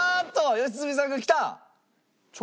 良純さんがきた！